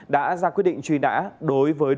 đã ra quyết định truy nã đối với đối tượng